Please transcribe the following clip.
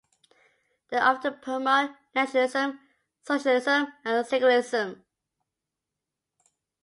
They often promote Nationalism, Socialism and Secularism.